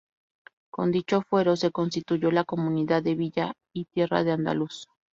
Con dicho Fuero se constituyó la Comunidad de villa y tierra de Andaluz.